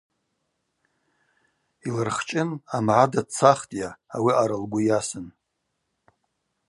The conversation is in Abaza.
Йлырхчӏын амгӏада дцахтӏйа: ауи аъара лгвы йасын.